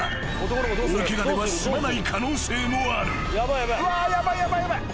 ［大ケガでは済まない可能性もある］